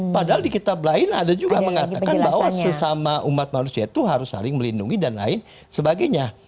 padahal di kitab lain ada juga mengatakan bahwa sesama umat manusia itu harus saling melindungi dan lain sebagainya